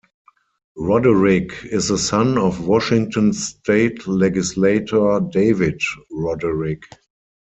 Roderick is the son of Washington state legislator David Roderick.